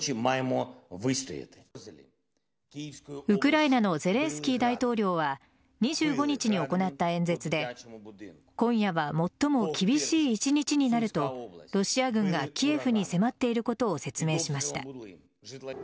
ウクライナのゼレンスキー大統領は２５日に行った演説で今夜は最も厳しい一日になるとロシア軍がキエフに迫っていることを説明しました。